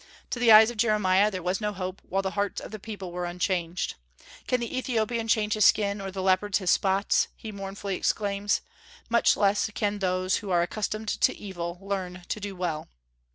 To the eyes of Jeremiah, there was no hope while the hearts of the people were unchanged. "Can the Ethiopian change his skin, or the leopard his spots?" he mournfully exclaims. "Much less can those who are accustomed to do evil learn to do well."